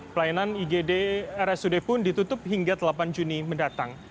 pelayanan igd rsud pun ditutup hingga delapan juni mendatang